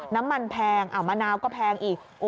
น้ำมันแพงมะนาวก็แพงอีก